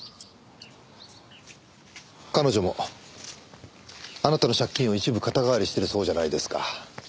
彼女もあなたの借金を一部肩代わりしてるそうじゃないですか。